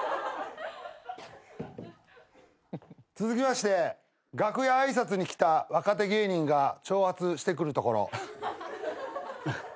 続きまして楽屋挨拶に来た若手芸人が挑発してくるところ。